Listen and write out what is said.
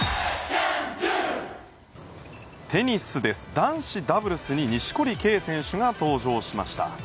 男子ダブルスに錦織圭選手が登場しました。